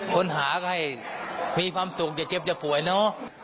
คนหาให้มีความสุขแต่เย็บแบบป่วยเนาะ